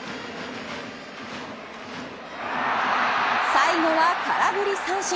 最後は空振り三振。